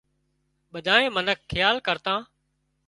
ٻڌانئي منک کيال ڪرتان